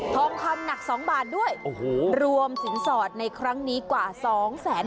ท้องคำหนัก๒บาทด้วยรวมสินสอดในครั้งนี้กว่า๒๖๐๐๐๐บาท